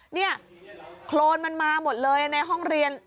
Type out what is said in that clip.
นี่โครนมันมาหมดเลยในห้องเรียน